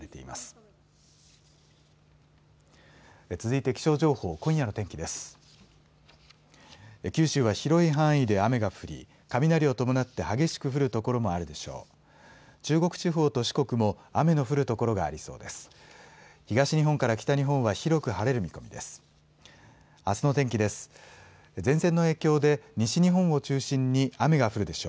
東日本から北日本は広く晴れる見込みです。